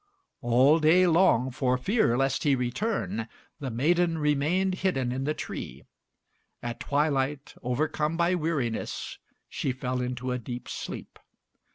All day long, for fear lest he return, the maiden remained hidden in the tree. At twilight, overcome by weariness, she fell into a deep sleep.